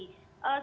saya punya pendapat